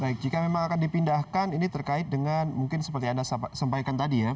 baik jika memang akan dipindahkan ini terkait dengan mungkin seperti anda sampaikan tadi ya